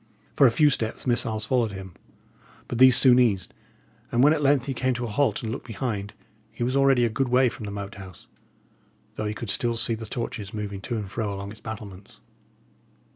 For a few steps missiles followed him, but these soon ceased; and when at length he came to a halt and looked behind, he was already a good way from the Moat House, though he could still see the torches moving to and fro along its battlements.